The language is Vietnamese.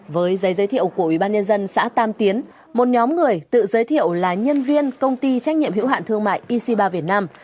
với giấy giới thiệu của ubnd xã tam tiến một nhóm người tự giới thiệu là nhân viên công ty trách nhiệm hữu hạn thương mại ec ba việt nam